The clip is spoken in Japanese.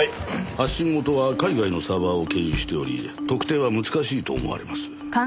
発信元は海外のサーバーを経由しており特定は難しいと思われます。